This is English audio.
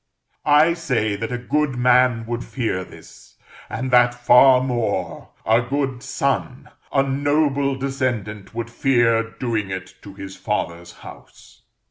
I say that a good man would fear this; and that, far more, a good son, a noble descendant, would fear doing it to his father's house.